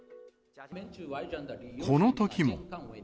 このときも。